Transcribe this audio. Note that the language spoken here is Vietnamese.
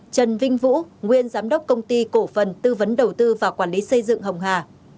trần vinh vũ nguyên giám đốc công ty cổ phần tư vấn đầu tư và quản lý xây dựng hồng hà